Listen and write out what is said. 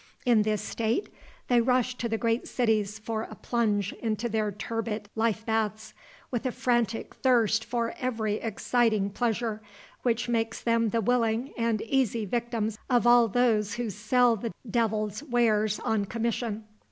In this state they rush to the great cities for a plunge into their turbid life baths, with a frantic thirst for every exciting pleasure, which makes them the willing and easy victims of all those who sell the Devil's wares on commission.